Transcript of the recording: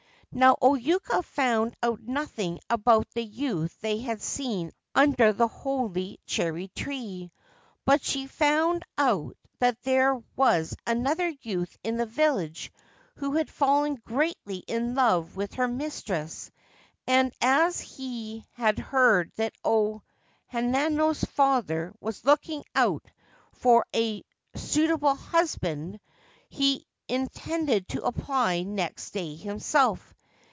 Now, O Yuka found out nothing about the youth they had seen under the Holy Cherry tree ; but she found out that there was another_youth in the village who had fallen greatly in love with her mistress, and, as he had heard that O Hanano' s father was looking out for a suitable husband, he intended to apply next day himself.